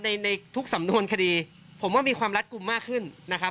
ในในทุกสำนวนคดีผมว่ามีความรัดกลุ่มมากขึ้นนะครับ